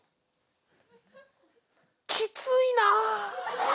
きついな。